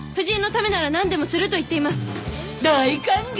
大歓迎！